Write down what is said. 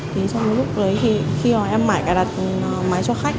trong lúc em mải cài đặt máy cho khách